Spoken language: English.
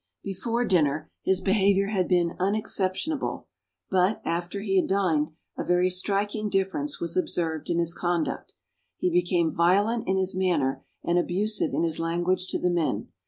Before dinner, his behavior had been unexceptionable; but, after he had dined, a very striking difference was observed in his conduct. He became violent in his manner, and abusive in his language to the men.